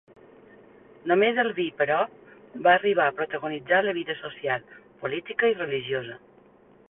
Només el vi, però, va arribar a protagonitzar la vida social, política i religiosa.